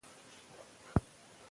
موږ د خپل هېواد په کلتور ویاړو.